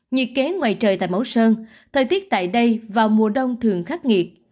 nhiệt kế ngoài trời tại mẫu sơn thời tiết tại đây vào mùa đông thường khắc nghiệt